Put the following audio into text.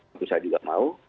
itu saya juga mau